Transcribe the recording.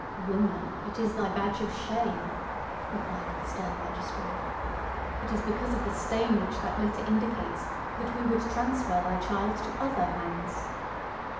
"Woman, it is thy badge of shame!" replied the stern magistrate. "It is because of the stain which that letter indicates that we would transfer thy child to other hands."